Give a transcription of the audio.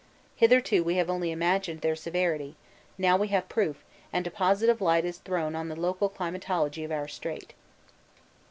Hitherto we have only imagined their severity; now we have proof, and a positive light is thrown on the local climatology of our Strait.